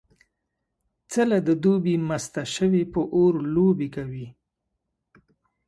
څیله د دوبي مسته شوې په اور لوبې کوي